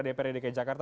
dpr dki jakarta